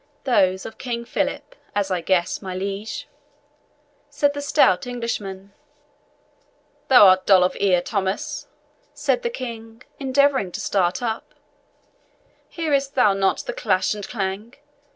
"Those of King Philip, as I guess, my liege," said the stout Englishman. "Thou art dull of ear, Thomas," said the King, endeavouring to start up; "hearest thou not that clash and clang?